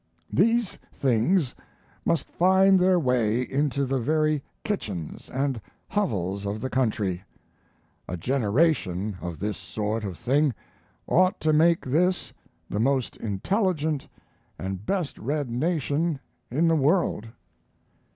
These things must find their way into the very kitchens and hovels of the country. A generation of this sort of thing ought to make this the most intelligent and the best read nation in the world.